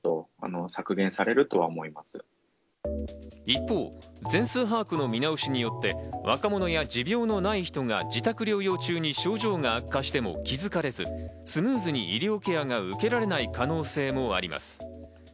一方、全数把握の見直しによって若者や持病のない人が自宅療養中に症状が悪化しても気づかれず、スムーズに医療ケアが受けられない可能性もあります。